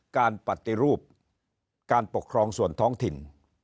การปฏิรูปการปกครองส่วนท้องถิ่น